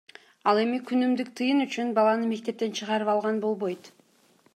Ал эми күнүмдүк тыйын үчүн баланы мектептен чыгарып алган болбойт.